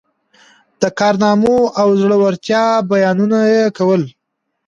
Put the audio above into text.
د کارنامو او زړه ورتیا بیانونه یې کول.